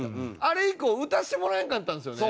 あれ以降打たせてもらえんかったんですよね。